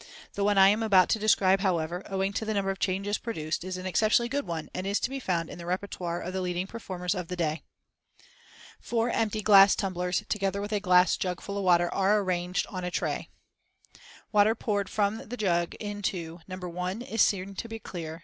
The one I am about to describe, however, owing to the number of changes produced, is an exceptionally good one, and is to be found in the repertoire of the leading performers of the day. Fig. 28. Arrangement of Jug and Glasses. Four empty glass tumblers, together with a glass jug full of water, are arranged on a tray as shown in Fig. 28. Water poured from the jug into— No. 1, is seen to be clear.